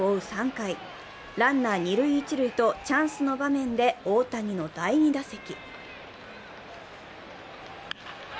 ３回、ランナー二塁・一塁とチャンスの場面で大谷の第２打席。